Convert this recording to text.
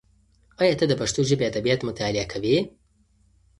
ایا ته د پښتو ژبې ادبیات مطالعه کوې؟